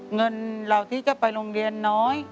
เงินเราที่จะไปโรงเรียนน้อย